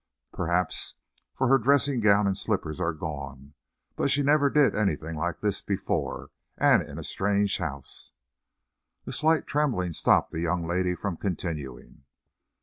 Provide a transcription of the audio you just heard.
"Perhaps; for her dressing gown and slippers are gone. But she never did anything like this before, and in a strange house " A slight trembling stopped the young lady from continuing.